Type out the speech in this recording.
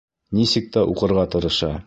Нисек тә уҡырға тырыша.